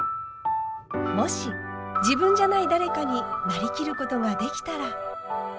もし自分じゃない誰かになりきることができたら。